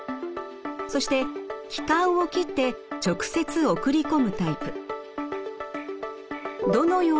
そして気管を切って直接送り込むタイプ。